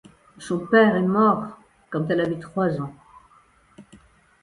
Son père est mort quand elle avait trois ans.